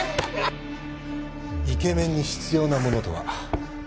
「イケメンに必要なものとは？」